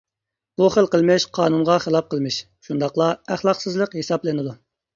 بۇ خىل قىلمىش قانۇنغا خىلاپ قىلمىش، شۇنداقلا ئەخلاقسىزلىق ھېسابلىنىدۇ.